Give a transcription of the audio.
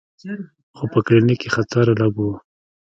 خو په کلینیک کې خطر لږ و.